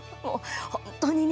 本当にね